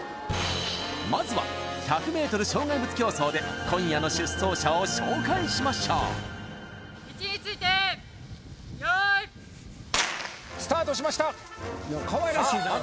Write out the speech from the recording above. まずは１００ｍ障害物競走で今夜の出走者を紹介しましょう位置について用意スタートしましたさあ